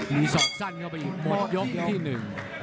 มีศอกสั้นเข้าไปอีกหมดยกที่หนึ่ง